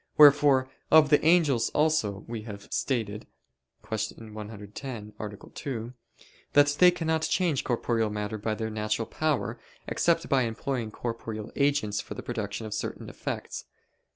Wherefore of the angels also we have stated (Q. 110, A. 2) that they cannot change corporeal matter by their natural power, except by employing corporeal agents for the production of certain effects.